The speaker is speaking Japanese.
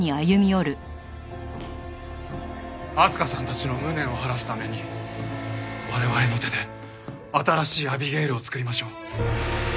明日香さんたちの無念を晴らすために我々の手で新しいアビゲイルをつくりましょう。